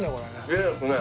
いいですね。